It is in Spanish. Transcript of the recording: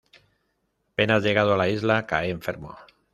Apenas llegado a la isla cae enfermo.